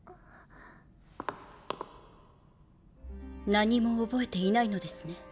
何も覚えていないのですね。